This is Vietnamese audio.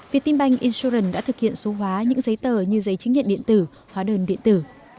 việt tin bank insuran đã thực hiện số hóa những giấy tờ như giấy chứng nhận điện tử hóa đơn điện tử